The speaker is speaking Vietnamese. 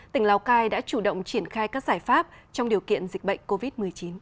tỉnh lào cai đã chủ động triển khai các giải pháp trong điều kiện dịch bệnh covid một mươi chín